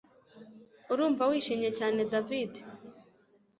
Urumva wishimye cyane David